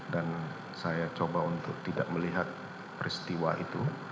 dan saya coba untuk tidak melihat peristiwa itu